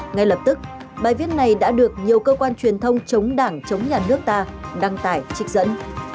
ngay lập tức bài viết này đã được nhiều cơ quan truyền thông chống đảng chống nhà nước ta đăng tải trích dẫn